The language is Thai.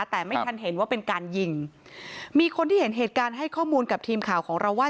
แต่ไม่ทันเห็นว่าเป็นการยิงมีคนที่เห็นเหตุการณ์ให้ข้อมูลกับทีมข่าวของเราว่า